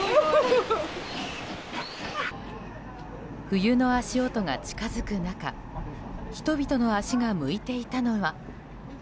冬の足音が近づく中人々の足が向いていたのは。